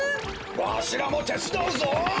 わしらもてつだうぞ！